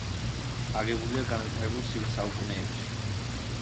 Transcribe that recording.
აგებულია განვითარებულ საუკუნეებში.